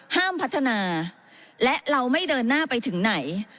ห้ามพัฒนาและเราไม่เดินหน้าไปถึงไหน